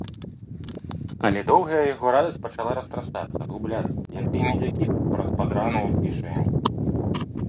Але доўгая яго радасць пачала растрасацца, губляцца, як тыя медзякі праз падраную кішэню.